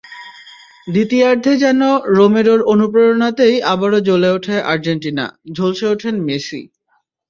দ্বিতীয়ার্ধে যেন রোমেরোর অনুপ্রেরণাতেই আবারও জ্বলে ওঠে আর্জেন্টিনা, ঝলসে ওঠেন মেসি।